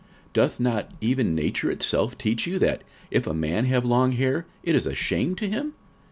46:011:014 Doth not even nature itself teach you, that, if a man have long hair, it is a shame unto him?